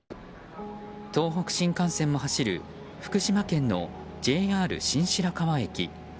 東北新幹線も走る福島県のＪＲ新白河駅。